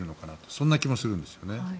そんな気もするんですよね。